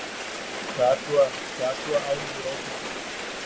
Kaa tua au kaa tua au yoʼotuk.